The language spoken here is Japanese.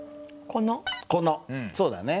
そうだね。